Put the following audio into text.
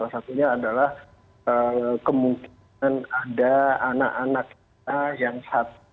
salah satunya adalah kemungkinan ada anak anak kita yang satu